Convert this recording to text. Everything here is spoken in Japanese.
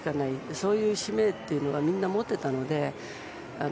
そういう使命というのはみんな、持っていたので。